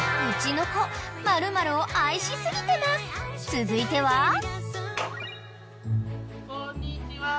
［続いては］こんにちは。